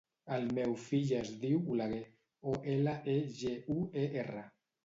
El meu fill es diu Oleguer: o, ela, e, ge, u, e, erra.